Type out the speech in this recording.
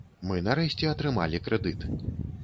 Мы нарэшце атрымалі крэдыт.